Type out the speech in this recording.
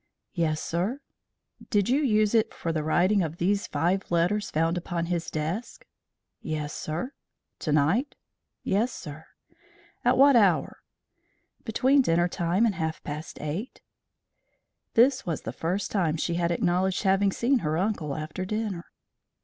"Yes, sir." "Did you use it for the writing of these five letters found upon his desk?" "Yes, sir." "To night?" "Yes, sir." "At what hour?" "Between dinner time and half past eight." This was the first time she had acknowledged having seen her uncle after dinner.